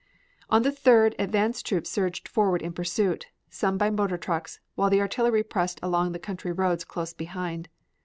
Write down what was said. On the 3d advance troops surged forward in pursuit, some by motor trucks, while the artillery pressed along the country roads close behind.